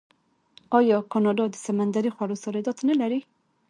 آیا کاناډا د سمندري خوړو صادرات نلري؟